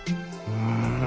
うん。